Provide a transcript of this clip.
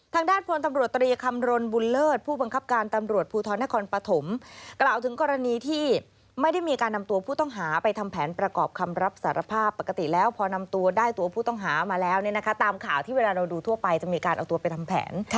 ทางด้านพลตำรวจตรีคำรณบุญเลิศผู้บังคับการตำรวจภูทรนครปฐมกล่าวถึงกรณีที่ไม่ได้มีการนำตัวผู้ต้องหาไปทำแผนประกอบคำรับสารภาพปกติแล้วพอนำตัวได้ตัวผู้ต้องหามาแล้วเนี่ยนะคะตามข่าวที่เวลาเราดูทั่วไปจะมีการเอาตัวไปทำแผน